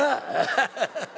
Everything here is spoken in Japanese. ハハハハ！